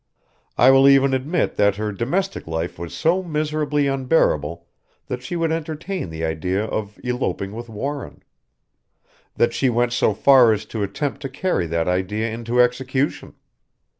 I will even admit that her domestic life was so miserably unbearable that she would entertain the idea of eloping with Warren: that she went so far as to attempt to carry that idea into execution.